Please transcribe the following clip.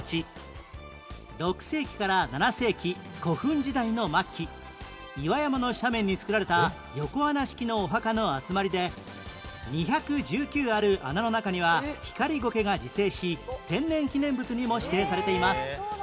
６世紀から７世紀古墳時代の末期岩山の斜面に造られた横穴式のお墓の集まりで２１９ある穴の中にはヒカリゴケが自生し天然記念物にも指定されています